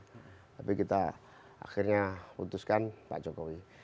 tapi kita akhirnya putuskan pak jokowi